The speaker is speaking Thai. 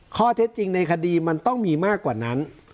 ข้อเท็จจริงในคดีมันต้องมีมากกว่านั้น